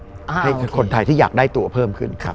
อะไรนะโอเคคืนให้คนไทยที่อยากได้ตัวเพิ่มขึ้นครับ